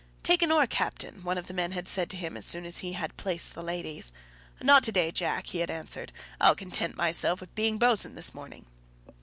"Take an oar, Captain," one of the men had said to him as soon as he had placed the ladies. "Not to day, Jack," he had answered. "I'll content myself with being bo'san this morning."